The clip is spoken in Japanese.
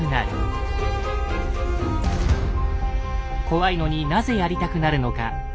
怖いのになぜやりたくなるのか。